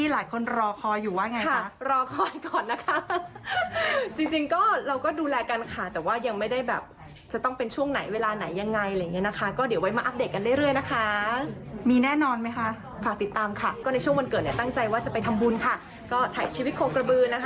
แล้วก็มีของขวัญล่วงหน้ามาแล้วนะคะมีตังค์ภูมิค่ะ